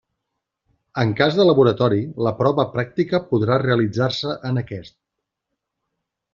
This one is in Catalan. En cas de laboratori, la prova pràctica podrà realitzar-se en aquest.